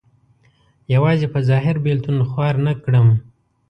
یوازې په ظاهر بېلتون خوار نه کړم.